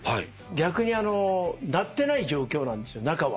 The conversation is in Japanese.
逆に鳴ってない状況なんですよ中は。